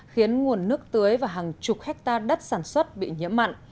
khiến nguồn nước tưới và hàng chục hectare đất sản xuất bị nhiễm mặn